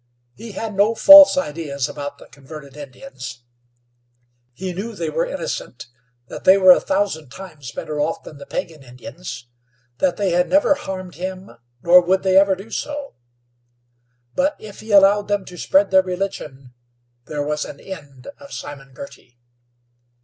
He had no false ideas about the converted Indians. He knew they were innocent; that they were a thousand times better off than the pagan Indians; that they had never harmed him, nor would they ever do so; but if he allowed them to spread their religion there was an end of Simon Girty.